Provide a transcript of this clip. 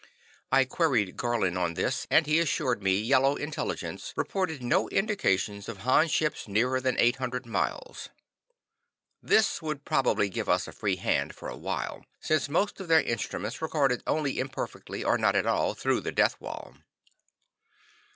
I queried Garlin on this, but he assured me Yellow Intelligence reported no indications of Han ships nearer than 800 miles. This would probably give us a free hand for a while, since most of their instruments recorded only imperfectly or not at all, through the death wall.